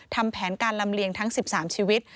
ทำแผนการลำเลียงทั้ง๑๓ชีวิต